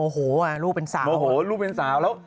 หม่อโหลลูกเป็นสาว